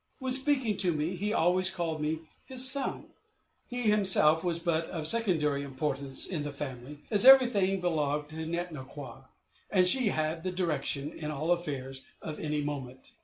When speaking to me, he always called me his son. Indeed, he himself was but of secondary importance in the family, as everything belonged to Net no kwa. and she had the direction in all affairs of any moment.